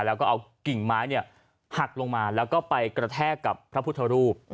แล้วก็เอากิ่งไม้หักลงมาแล้วก็ไปกระแทกกับพระพุทธรูป